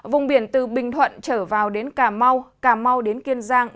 vùng biển từ bình thuận trở vào đến cà mau cà mau đến kiên giang